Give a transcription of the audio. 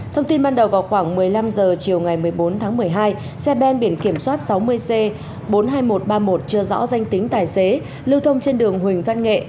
thông tin ban đầu vào khoảng một mươi năm h chiều ngày một mươi bốn tháng một mươi hai xe ben biển kiểm soát sáu mươi c bốn mươi hai nghìn một trăm ba mươi một chưa rõ danh tính tài xế lưu thông trên đường huỳnh văn nghệ